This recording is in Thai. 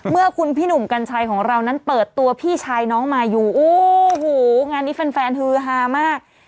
เมื่อคุณพี่หนุ่มกัญชัยของเรานั้นเปิดตัวพี่ชายน้องมายูโอ้โหงานนี้แฟนฮือฮามาก